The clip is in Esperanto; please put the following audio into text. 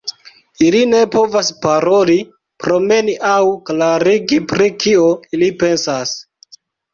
Ili ne povas paroli, promeni aŭ klarigi pri kio ili pensas.